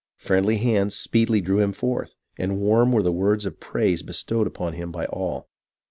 Friendly hands speedily drew him forth, and warm were the wprds of praise bestowed upon him by all.